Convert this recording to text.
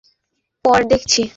অনেকদিন পর দেখছি।